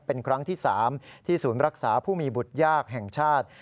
เป็นครั้งที่๓ที่ศูนย์รักษาผู้มีบุตรยากแห่งชาติ